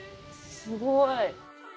すごい。